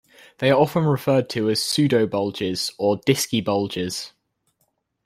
They are often referred to as "pseudobulges" or "disky-bulges.